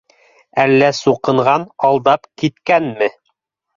— Әллә, суҡынған, алдап киткәнме?